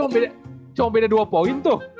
cuma beda dua poin tuh